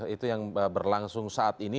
itu yang berlangsung saat ini